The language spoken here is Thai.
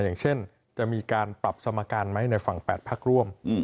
อย่างเช่นจะมีการปรับสมการไหมในฝั่ง๘พักร่วม